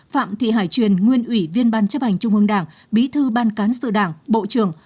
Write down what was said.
phạm thị hải truyền nguyên ủy viên ban chấp hành trung ương đảng bí thư ban cán sự đảng bộ trưởng